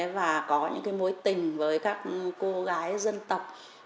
và có những mối tình với các cô gái dân tộc